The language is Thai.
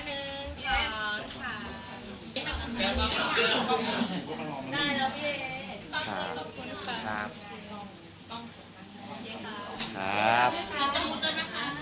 เตยหักเกียงมาอ่ะก่อทุกคนหน่อย